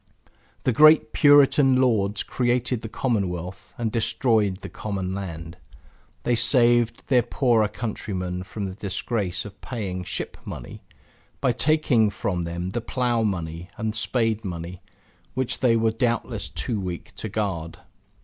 The great Puritan lords created the Commonwealth, and destroyed the common land. They saved their poorer countrymen from the disgrace of paying Ship Money, by taking from them the plow money and spade money which they were doubtless too weak to guard.